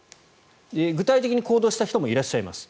具体的に行動した人もいらっしゃいます。